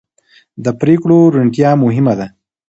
د پرېکړو روڼتیا مهمه ده